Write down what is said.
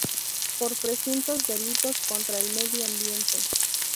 por presuntos delitos contra el medio ambiente